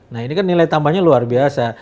nah ini kan nilai tambahnya luar biasa